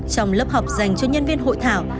trong lớp học dành cho nhân viên hội thảo